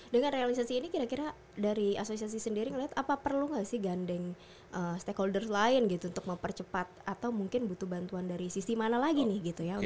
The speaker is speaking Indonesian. dengan realisasi ini kira kira dari asosiasi sendiri ngelihat apa perlu nggak sih gandeng stakeholders lain gitu untuk mempercepat atau mungkin butuh bantuan dari sisi mana lagi nih gitu ya